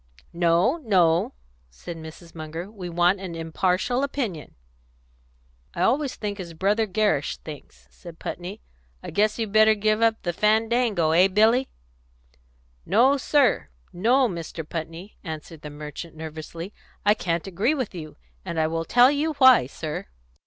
"No, no," said Mrs. Munger. "We want an impartial opinion." "I always think as Brother Gerrish thinks," said Putney. "I guess you better give up the fandango; hey, Billy?" "No, sir; no, Mr. Putney," answered the merchant nervously. "I can't agree with you. And I will tell you why, sir."